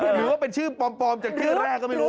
หรือว่าเป็นชื่อปลอมจากชื่อแรกก็ไม่รู้